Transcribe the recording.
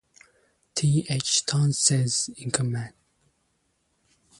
T. H. Tonseth in command.